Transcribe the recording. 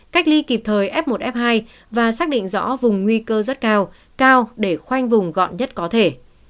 cách ly kịp thời f một f hai và xác định rõ vùng nguy cơ rất cao cao để khoanh vùng gọn nhất có thể